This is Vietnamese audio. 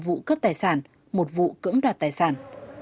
ba vụ cấp giật tài sản năm vụ cấp tài sản một vụ cưỡng đoạt tài sản